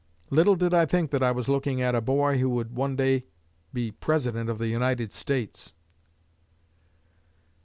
Little did I think that I was looking at a boy who would one day be President of the United States!"